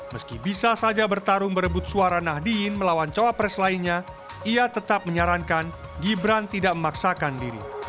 meski bisa saja bertarung berebut suara nahdien melawan coapres lainnya ia tetap menyarankan gibran tidak memaksakan diri